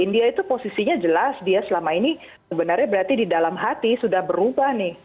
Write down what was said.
india itu posisinya jelas dia selama ini sebenarnya berarti di dalam hati sudah berubah nih